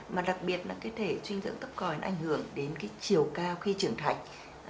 mà đặc biệt là cái thể suy dinh dưỡng thấp còi nó ảnh hưởng đến cái chiều cao khi trưởng thành